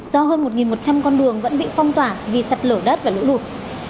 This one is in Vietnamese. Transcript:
do hơn một một trăm linh con đường vẫn bị phong tỏa vì sạt lở đất và lũ lụt